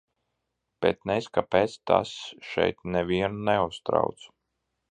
Bet nez kāpēc tas šeit nevienu neuztrauc?